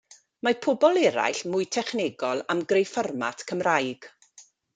Mae pobl eraill mwy technegol am greu fformat Cymraeg.